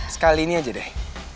sekali ini aja deh